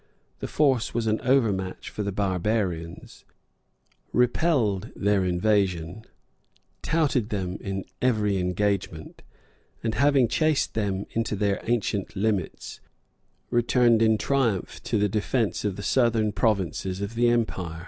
This force was an overmatch for the barbarians, repelled their invasion, touted them in every engagement, and having chased them into their ancient limits, returned in triumph to the defence of the southern provinces of the empire.